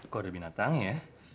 kok ada binatang ya